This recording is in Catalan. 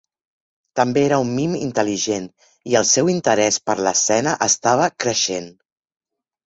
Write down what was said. També era un mim intel·ligent, i el seu interès per la escena estava creixent.